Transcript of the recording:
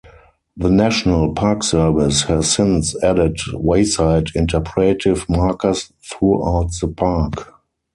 The National Park Service has since added wayside interpretive markers throughout the park.